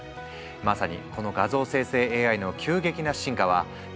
まさにこの画像生成ＡＩの急激な進化は現代のカンブリア爆発！